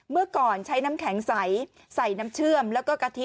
เมื่อก่อนใช้น้ำแข็งใสใส่น้ำเชื่อมแล้วก็กะทิ